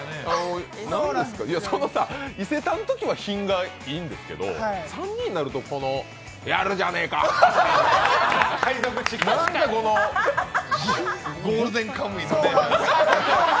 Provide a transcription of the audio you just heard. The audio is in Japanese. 伊勢丹のときは品がいいんですけど、３人になると「やるじゃねえか」とかなんか「ゴールデンカムイ」感が。